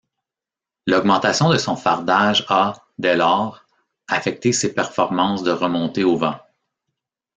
L'augmentation de son fardage a, dès lors, affecté ses performances de remontée au vent.